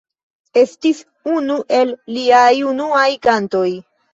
Estis unu el liaj unuaj kantoj.